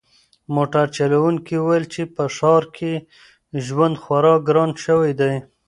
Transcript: موټر چلونکي وویل چې په ښار کې ژوند خورا ګران شوی دی.